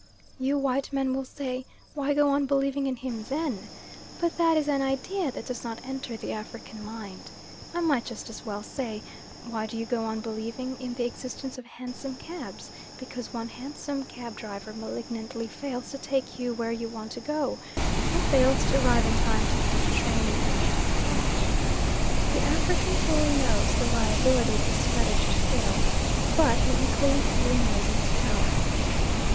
You white men will say, "Why go on believing in him then?" but that is an idea that does not enter the African mind. I might just as well say "Why do you go on believing in the existence of hansom cabs," because one hansom cab driver malignantly fails to take you where you want to go, or fails to arrive in time to catch a train you wished to catch. The African fully knows the liability of his fetish to fail, but he equally fully knows its power.